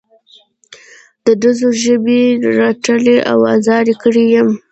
د ډزو ژبې رټلی او ازار کړی یم.